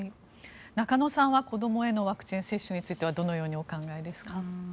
中野さんは、子どもへのワクチン接種についてはどのようにお考えですか？